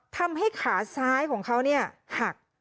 ทำให้ขาซ้ายของเขาหัก